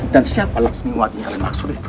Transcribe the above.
dan siapa laksmiwati yang kalian maksud itu